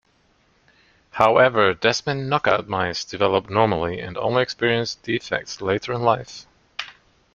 However desmin knockout mice develop normally and only experience defects later in life.